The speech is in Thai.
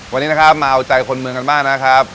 วันนี้นะครับมาเอาใจคนเมืองกันบ้างนะครับ